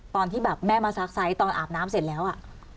ตอนที่แบบแม่มาซักไซส์ตอนอาบน้ำเสร็จแล้วอ่ะ